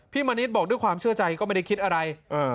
มณิษฐ์บอกด้วยความเชื่อใจก็ไม่ได้คิดอะไร